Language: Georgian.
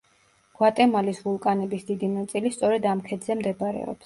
გვატემალის ვულკანების დიდი ნაწილი სწორედ ამ ქედზე მდებარეობს.